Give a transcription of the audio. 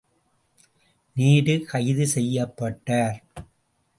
நேரு கைது செய்யப்பட்டார்.